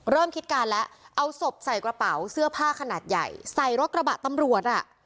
เริ่มคิดการแล้วเอาศพใส่กระเป๋าเสื้อผ้าขนาดใหญ่ใส่รถกระบะตำรวจอ่ะ